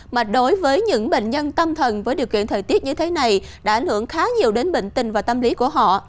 mà đối với những bệnh nhân tâm thần với điều kiện thời tiết như thế này đã ảnh hưởng khá nhiều đến bệnh tình và tâm lý của họ